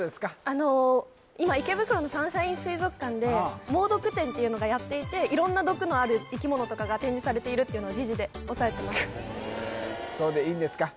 あの今池袋のサンシャイン水族館で「もうどく展」っていうのがやっていて色んな毒のある生き物とかが展示されているっていうのを時事で押さえてましたそうでいいんですか？